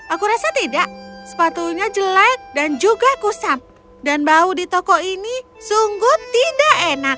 aku rasa tidak sepatunya jelek dan juga kusam dan bau di toko ini sungguh tidak enak